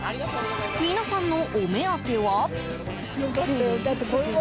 皆さんのお目当ては。